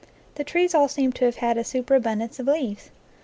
The trees all seem to have had a super abundance of leaves.